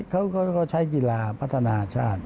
เขาก็ใช้กีฬาพัฒนาชาติ